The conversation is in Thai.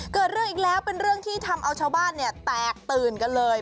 เกิดเรื่องอีกแล้วเป็นเรื่องที่ทำเอาชาวบ้านเนี่ยแตกตื่นกันเลย